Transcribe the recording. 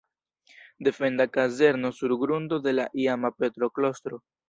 Defenda kazerno sur grundo de la iama Petro-klostro.